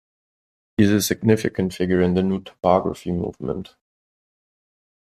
He is a significant figure in the New Topography movement.